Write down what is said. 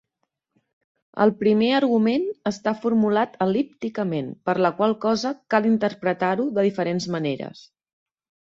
El primer argument està formulat el·lípticament, per la qual cosa cal interpretar-ho de diferents maneres.